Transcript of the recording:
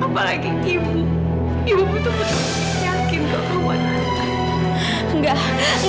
apalagi ibu ibu betul betul yakin kau kamu adalah anak kami